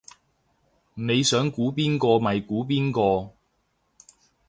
你想估邊個咪估邊個